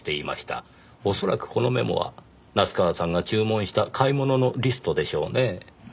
おそらくこのメモは夏河さんが注文した買い物のリストでしょうねぇ。